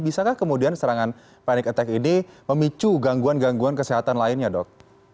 bisakah kemudian serangan panic attack ini memicu gangguan gangguan kesehatan lainnya dok